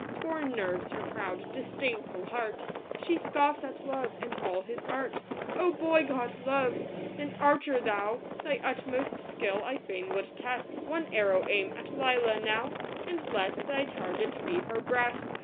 Scorn nerves her proud, disdainful heart ! She scoffs at Love and all his art ! Oh, boy god, Love ! An archer thou ! Thy utmost skill I fain would test ; One arrow aim at Lelia now, And let thy target be her breast